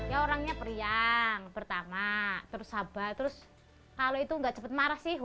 ya orangnya periang pertama terus sabar terus kalau itu nggak cepat marah sih